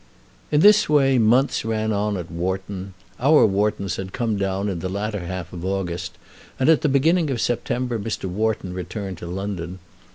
In this way months ran on at Wharton. Our Whartons had come down in the latter half of August, and at the beginning of September Mr. Wharton returned to London.